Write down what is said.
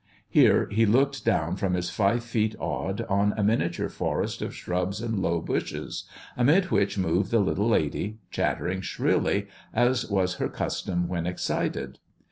Here he looked down from his five feet odd on a miniature forest of shrubs and low .bushes, amid which moved the little lady, chattering shrilly as was her custom when excited.